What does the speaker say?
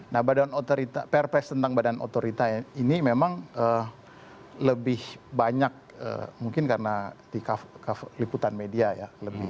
nah perpres tentang badan otorita ini memang lebih banyak mungkin karena di liputan media ya